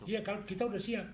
ya kalau kita sudah siap